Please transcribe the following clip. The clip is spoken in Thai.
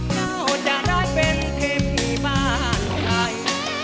เราจะได้เป็นเทพีบ้านใคร